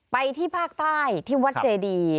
ไปที่ภาคใต้ที่วัดเจดี